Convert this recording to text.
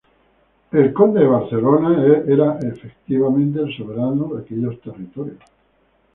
El conde de Barcelona era, efectivamente, el soberano de aquellos territorios.